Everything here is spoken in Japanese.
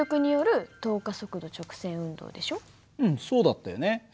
うんそうだったよね。